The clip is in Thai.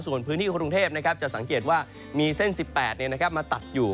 ส่วนพื้นที่กรุงเทพจะสังเกตว่ามีเส้น๑๘มาตัดอยู่